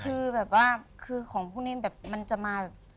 คือแบบว่าของพวกนี้มันจะมาแบบ